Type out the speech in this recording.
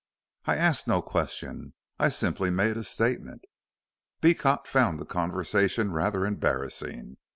"I asked no question. I simply make a statement." Beecot found the conversation rather embarrassing.